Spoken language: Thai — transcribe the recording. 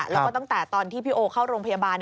แล้วก็ตั้งแต่ตอนที่พี่โอเข้าโรงพยาบาล